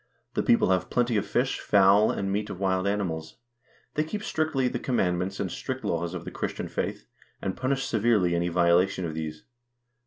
The people have plenty of fish, fowl, and meat of wild animals. They keep strictly the Commandments and strict laws of the Christian faith, and punish severely any violation of these.